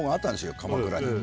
鎌倉に。